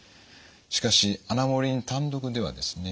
しかしアナモレリン単独ではですね